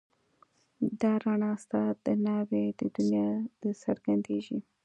دا رڼا ستا د ناوې د دنيا درڅرګنديږي